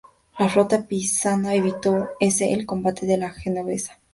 La flota pisana evitó ese el combate con la genovesa.